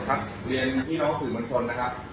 ครับเรียนพี่น้องสื่อเหมือนชนนะครับ